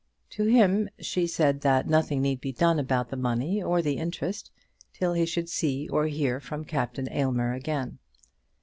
To him she said that nothing need be done about the money or the interest till he should see or hear from Captain Aylmer again.